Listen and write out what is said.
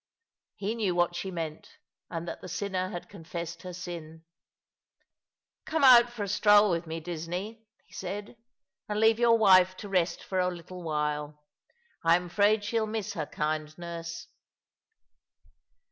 He knew what she meant, and that the sinner had confessed her sin. "Come out for a stroll with me, Disney," he said, "and leave your wife to rest for a little while. I'm afraid she'll miss her kind nurse."